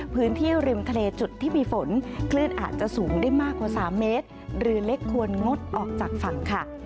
พื้นที่ริมทะเลจุดที่มีฝนคลื่นอาจจะสูงได้มากกว่า๓เมตรหรือเล็กควรงดออกจากฝั่งค่ะ